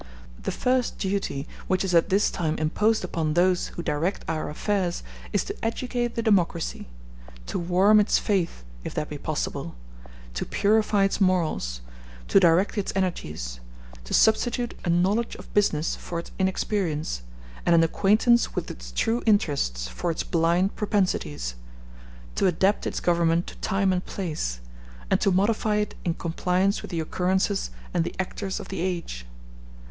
The first duty which is at this time imposed upon those who direct our affairs is to educate the democracy; to warm its faith, if that be possible; to purify its morals; to direct its energies; to substitute a knowledge of business for its inexperience, and an acquaintance with its true interests for its blind propensities; to adapt its government to time and place, and to modify it in compliance with the occurrences and the actors of the age.